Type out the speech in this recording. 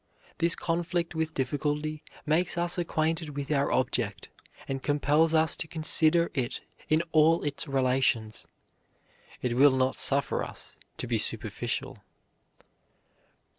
This conflict with difficulty makes us acquainted with our object, and compels us to consider it in all its relations. It will not suffer us to be superficial."